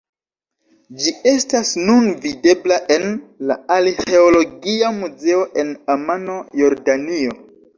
Ĝi estas nun videbla en la Arĥeologia Muzeo en Amano, Jordanio.